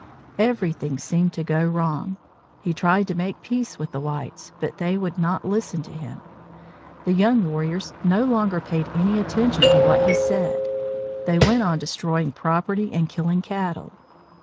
Everything seemed to go wrong. He tried to make peace with the whites, but they would not listen to him. The young warriors no longer paid any attention to what he said. They went on destroying property and killing cattle.